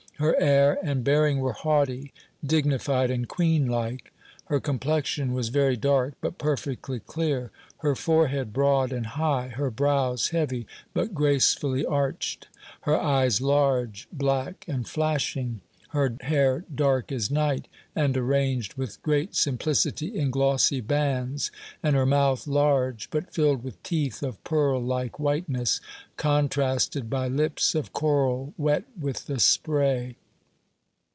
Her air and bearing were haughty, dignified, and queen like. Her complexion was very dark, but perfectly clear; her forehead broad and high; her brows heavy, but gracefully arched; her eyes large, black and flashing; her hair dark as night, and arranged with great simplicity in glossy bands; and her mouth large, but filled with teeth of pearl like whiteness, contrasted by lips of coral wet with the spray.